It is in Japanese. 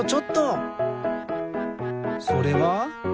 それは？